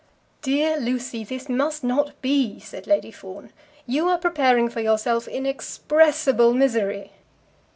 "Dear Lucy, this must not be," said Lady Fawn. "You are preparing for yourself inexpressible misery."